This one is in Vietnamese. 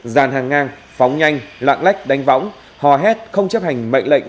dàn hàng ngang phóng nhanh lạng lách đánh võng hò hét không chấp hành mệnh lệnh